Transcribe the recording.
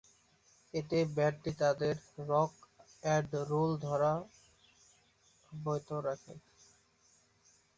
এতে ব্যান্ডটি তাদের রক অ্যান্ড রোল ধারা অব্যাহত রাখে।